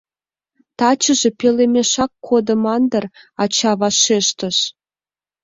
— Тачыже пӧлемешак кодыман дыр, — ача вашештыш.